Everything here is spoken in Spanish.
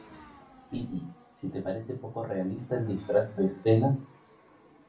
piti , si te parece poco realista el disfraz de Estela ,